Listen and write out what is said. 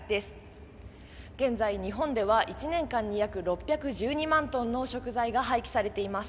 現在日本では１年間に約６１２万ｔの食材が廃棄されています。